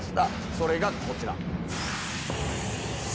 それがこちら。